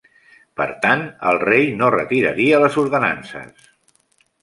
Per tant, el rei no retiraria les ordenances.